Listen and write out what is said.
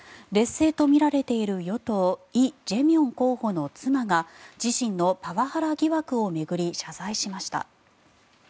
劣勢とみられている与党、イ・ジェミョン候補の妻が自身のパワハラ疑惑を巡り謝罪しました。